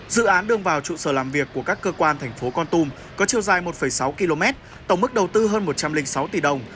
dự án đường vào trụ sở làm việc của các cơ quan thành phố con tum có chiều dài một sáu km tổng mức đầu tư hơn một trăm linh sáu tỷ đồng